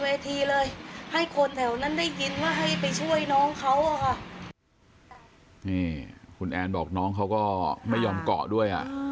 เลยให้คนแถวนั้นได้ยินว่าให้ไปช่วยน้องเขาอ่ะค่ะนี่คุณแอนบอกน้องเขาก็ไม่ยอมเกาะด้วยอ่ะ